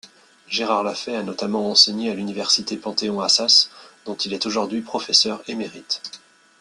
Gérard Lafay a notamment enseigné à l'université Panthéon-Assas, dont il est aujourd'hui professeur émérite.